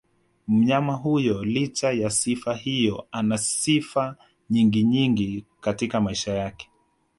Mnyama huyo licha ya sifa hiyo anasifa nyingi nyingi katika maisha yake